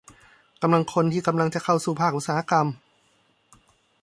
กำลังคนที่กำลังจะเข้าสู่อุตสาหกรรม